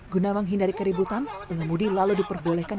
guna menghindari keributan pengemudi lalu diperbolehkan